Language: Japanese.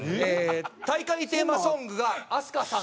大会テーマソングがＡＳＫＡさん。